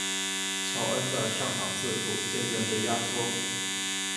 乔恩的上场次数渐渐被压缩。